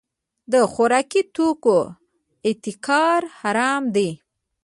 د خوراکي توکو احتکار حرام دی.